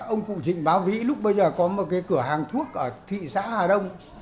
ông cụ trịnh bá vĩ lúc bây giờ có một cái cửa hàng thuốc ở thị xã hà đông